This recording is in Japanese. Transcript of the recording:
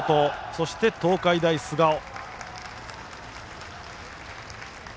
そして、東海大菅生。